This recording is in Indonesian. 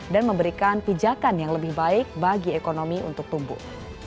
dan memberikan pijakan yang lebih baik bagi ekonomi untuk tumbuh